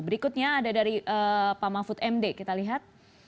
berikutnya ada dari pak mahfud md kita lihat